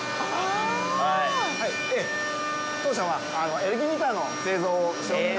当社はエレキギターの製造をしております。